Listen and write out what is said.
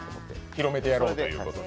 広めてやろうということで。